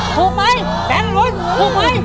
ถูกไหมแบนตะฮ่ยเขาเหยิง